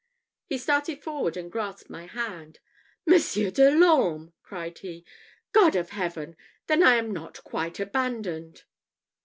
He started forward and grasped my hand. "Monsieur de l'Orme!" cried he: "God of heaven! then I am not quite abandoned."